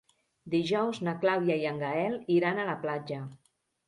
Dijous na Clàudia i en Gaël iran a la platja.